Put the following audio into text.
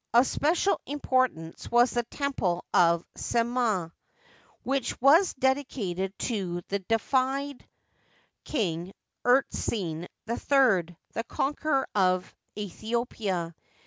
Of special importance was the temple of Semneh, which was dedicated to the deified King Usertesen III, the conqueror of Aethiopia.